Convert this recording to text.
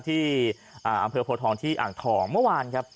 ที่อำเภอโพทองที่อ่างทองเมื่อวานครับ